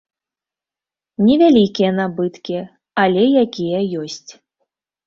Невялікія набыткі, але якія ёсць.